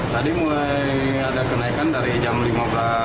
tadi mulai ada kenaikan dari jam lima belas empat puluh satu delapan puluh cm